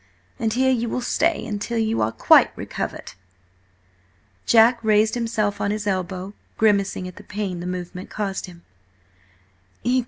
And here you will stay until you are quite recovered!" Jack raised himself on his elbow, grimacing at the pain the movement caused him.